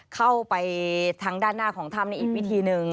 เข้าไปทางด้านหน้าของถ้ำในอีกวิธีหนึ่ง